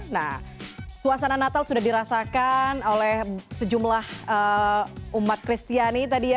nah suasana natal sudah dirasakan oleh sejumlah umat kristiani tadi ya